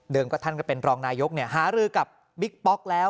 ก็ท่านก็เป็นรองนายกหารือกับบิ๊กป๊อกแล้ว